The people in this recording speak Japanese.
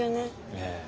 ええ。